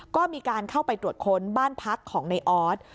ก็มีการเข้าไปตรวจค้นบ้านพักของในออส